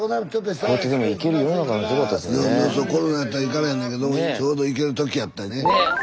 スタジオコロナやったら行かれへんねんけどちょうど行ける時やったね。